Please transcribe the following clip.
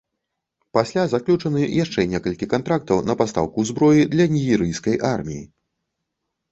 Пасля, заключаны яшчэ некалькі кантрактаў на пастаўку зброі для нігерыйскай арміі.